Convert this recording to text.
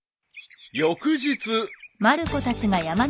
［翌日］